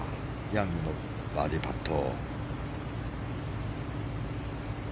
ヤングのバーディーパット。